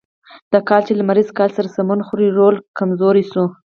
د کال چې له لمریز کال سره سمون خوري رول کمزوری شو.